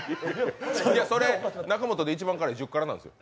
それ中本で一番辛い１０辛なんですよ。